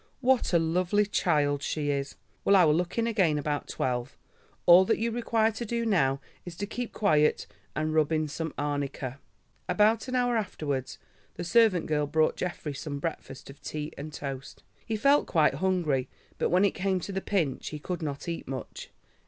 What a lovely child she is. Well, I will look in again about twelve. All that you require to do now is to keep quiet and rub in some arnica." About an hour afterwards the servant girl brought Geoffrey some breakfast of tea and toast. He felt quite hungry, but when it came to the pinch he could not eat much.